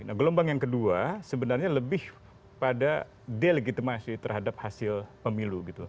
nah gelombang yang kedua sebenarnya lebih pada delegitimasi terhadap hasil pemilu gitu